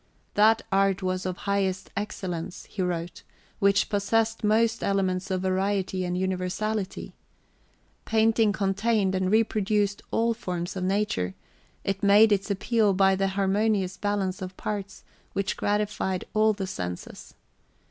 That art was of highest excellence, he wrote, which possessed most elements of variety and universality. Painting contained and reproduced all forms of nature; it made its appeal by the harmonious balance of parts which gratified all the senses.